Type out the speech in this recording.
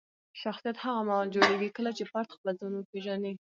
شخصیت هغه مهال جوړېږي کله چې فرد خپل ځان وپیژني.